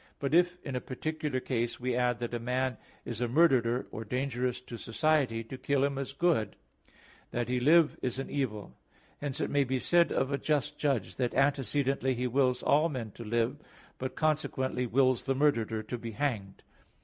But if in a particular case we add that a man is a murderer or dangerous to society, to kill him is a good; that he live is an evil. Hence it may be said of a just judge, that antecedently he wills all men to live; but consequently wills the murderer to be hanged.